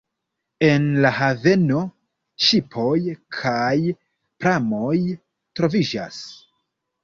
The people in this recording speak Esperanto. En la haveno ŝipoj kaj pramoj troviĝas.